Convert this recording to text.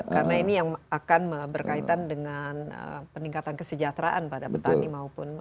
karena ini yang akan berkaitan dengan peningkatan kesejahteraan pada petani maupun